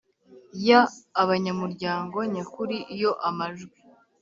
y abanyamuryango nyakuri iyo amajwi